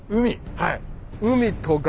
はい。